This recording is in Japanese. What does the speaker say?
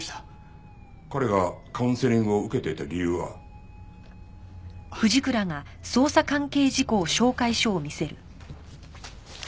彼がカウンセリングを受けていた理由は？あっ。